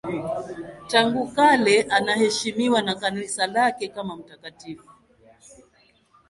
Tangu kale anaheshimiwa na Kanisa lake kama mtakatifu.